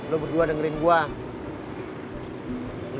lo berdua dengerin gue